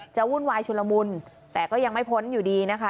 วุ่นวายชุลมุนแต่ก็ยังไม่พ้นอยู่ดีนะคะ